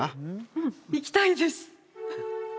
うん行きたいです！